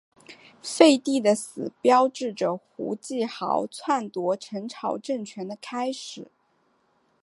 废帝的死标志着胡季牦篡夺陈朝政权的开始。